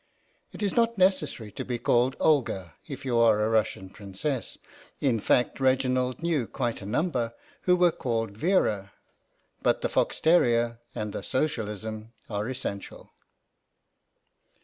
It is not necessary to be called Olga if you are a Russian Princess ; in fact, Reginald knew quite a number who were called Vera ; but the fox terrier and the Socialism are essential.